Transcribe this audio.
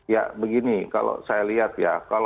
ya begini kalau saya lihat ya